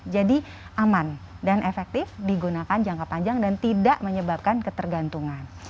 jadi aman dan efektif digunakan jangka panjang dan tidak menyebabkan ketergantungan